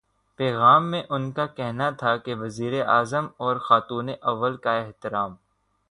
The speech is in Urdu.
پیغام میں ان کا کہنا تھا کہ وزیرا اعظم اور خاتونِ اول کا احترام